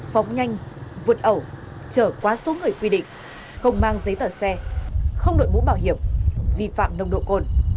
phóng nhanh vượt ẩu chở quá số người quy định không mang giấy tờ xe không đội mũ bảo hiểm vi phạm nông độ cồn